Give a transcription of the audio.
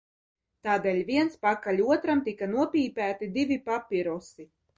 Tādēļ viens pakaļ otram tika nopīpēti divi papirosi.